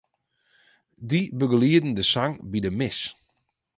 Dy begelieden de sang by de mis.